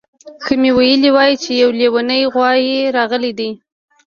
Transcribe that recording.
که مې ویلي وای چې یو لیونی غوایي راغلی دی